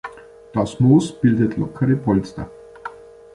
Das Moos bildet lockere Polster.